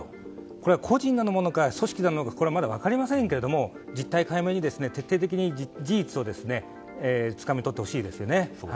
これは個人のものなのか組織なのかよく分かりませんが実態解明に徹底的に事実をつかみ取ってほしいですよね。